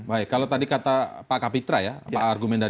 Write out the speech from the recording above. baik kalau tadi kata pak kapitra ya